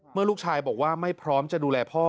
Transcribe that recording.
ลูกชายบอกว่าไม่พร้อมจะดูแลพ่อ